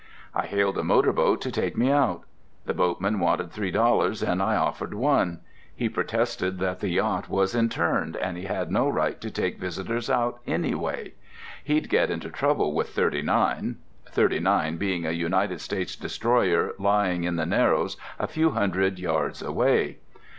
I hailed a motor boat to take me out. The boatman wanted three dollars, and I offered one. He protested that the yacht was interned and he had no right to take visitors out anyway. He'd get into trouble with "39"—"39" being a United States destroyer lying in the Narrows a few hundred yards away.